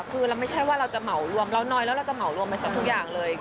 คือเราไม่ใช่ว่าเราจะเหมารวมเราน้อยแล้วเราจะเหมารวมไปกับทุกอย่างเลย